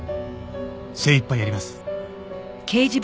精いっぱいやります。